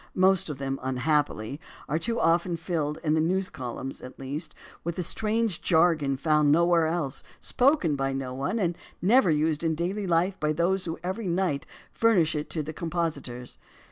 Most of them, unhappily, are too often filled in the news columns, at least, with a strange jargon found nowhere else, spoken by no one, and never used in daily life by those who every night furnish it to the compositors.